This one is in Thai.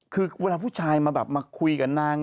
คือเวลาผู้ชายมาแบบมาคุยกับนาง